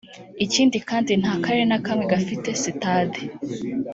ikindi kandi nta karere na kamwe gafite Sitade